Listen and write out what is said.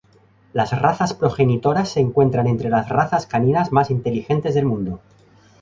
Las razas progenitoras se encuentran entre las razas caninas más inteligentes del mundo.